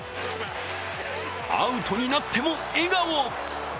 アウトになっても笑顔！